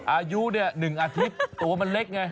อายุ๑อาทิตย์ตัวมันเล็กไง